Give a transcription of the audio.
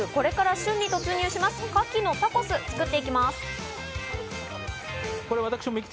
これから旬に突入します、カキのタコス作っていきます。